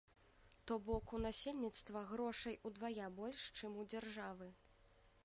То бок, у насельніцтва грошай удвая больш, чым у дзяржавы.